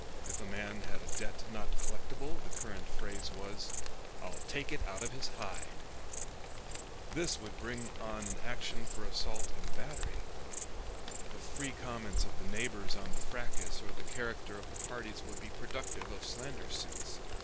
If a man had a debt not collectible, the current phrase was, 'I'll take it out of his hide.' [Illustration: LINCOLN AND STUART'S LAW OFFICE, SPRINGFIELD.] "This would bring on an action for assault and battery. The free comments of the neighbors on the fracas or the character of the parties would be productive of slander suits.